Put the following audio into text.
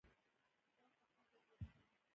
دا فکري ګډوډي ده.